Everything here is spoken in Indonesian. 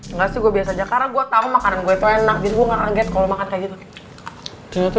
enggak sih gua biasa aja karena gua tau makanan gua itu enak jadi gua gak kaget kalo makan kayak gitu